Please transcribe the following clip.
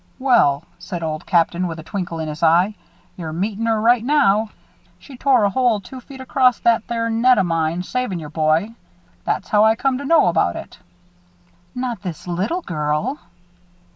"Well," said Old Captain, with a twinkle in his eye, "you're meetin' her right now. She tore a hole two feet across that there net o' mine savin' your boy. That's how I come to know about it." "Not this little girl!"